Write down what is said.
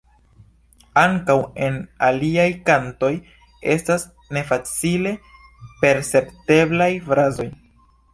Ankaŭ en aliaj kantoj estas nefacile percepteblaj frazoj.